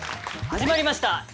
始まりました